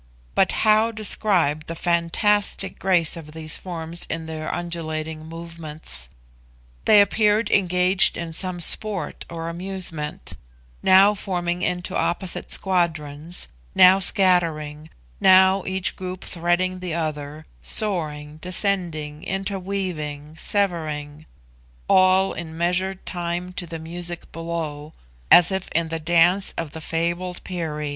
But how describe the fantastic grace of these forms in their undulating movements! They appeared engaged in some sport or amusement; now forming into opposite squadrons; now scattering; now each group threading the other, soaring, descending, interweaving, severing; all in measured time to the music below, as if in the dance of the fabled Peri.